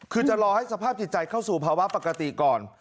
คือจะรอให้สภาพจิตใจเข้าสู่ภาวะปกติก่อน